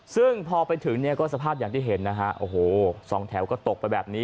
ซึ่งพอไปถึงเนี่ยก็สภาพอย่างที่เห็นนะฮะโอ้โหสองแถวก็ตกไปแบบนี้